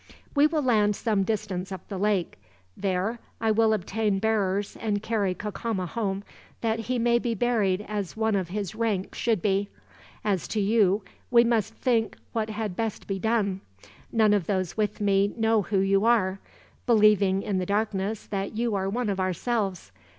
"We will land some distance up the lake. There I will obtain bearers, and carry Cacama home, that he may be buried as one of his rank should be. As to you, we must think what had best be done. None of those with me know who you are; believing, in the darkness, that you are one of ourselves.